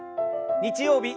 日曜日